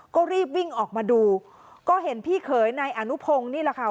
ก็รีบวิ่งออกมาดูก็เห็นพี่เขยนายอนุพงศ์นี่แหละค่ะ